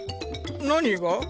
何が？